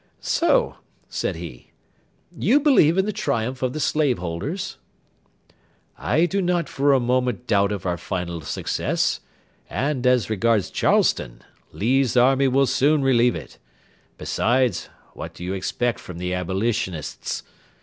"So," said he, "you believe in the triumph of the slave holders?" "I do not for a moment doubt of our final success, and, as regards Charleston, Lee's army will soon relieve it: besides, what do you expect from the Abolitionists?